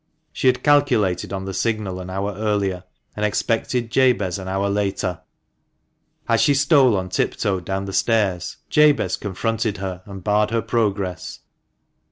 She had calculated on the signal an hour earlier, and expected Jabez an hour later. As she stole on tiptoe down the stairs Jabez confronted her and barred her progress.